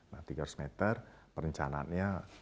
nah tiga ratus meter perencanaannya